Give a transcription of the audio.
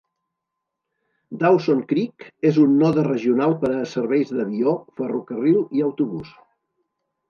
Dawson Creek és un node regional per a serveis d'avió, ferrocarril i autobús.